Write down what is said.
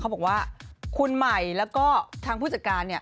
บอกว่าคุณใหม่แล้วก็ทางผู้จัดการเนี่ย